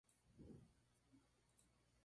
En la segunda temporada pasa al elenco principal.